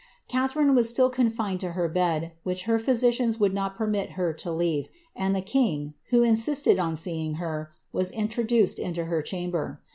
Catharine was still confined to her bed, which her physicians would not permit her to leave, and the king, who insisted on seeing her, wai introduced into her chamber.